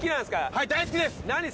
はい大好きです！